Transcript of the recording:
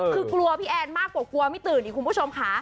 คือกลัวพี่แอนมากกว่ากลัวไม่ตื่นอีกคุณผู้ชมค่ะ